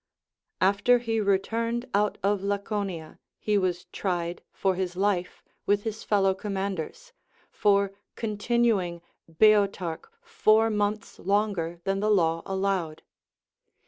After he returned out of Laconia, he Avas tried for his life, with his fellow commanders, for continuing Boeotarch four months longer than the law allowed.